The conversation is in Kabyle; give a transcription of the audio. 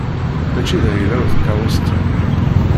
Mačči d ayla-w tkeṛṛust-a.